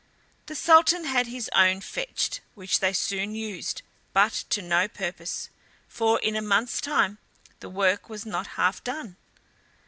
The Sultan had his own fetched, which they soon used, but to no purpose, for in a month's time the work was not half done.